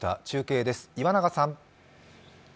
中継です、岩永さん。